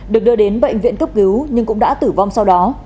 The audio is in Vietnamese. được đưa đến bệnh viện cấp cứu nhưng cũng đã tử vong sau đó